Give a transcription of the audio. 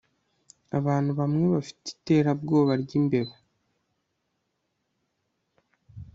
abantu bamwe bafite iterabwoba ryimbeba